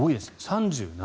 ３７